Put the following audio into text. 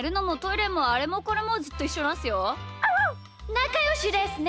なかよしですね！